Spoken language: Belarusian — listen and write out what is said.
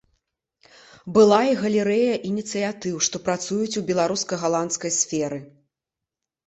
Была і галерэя ініцыятыў, што працуюць у беларуска-галандскай сферы.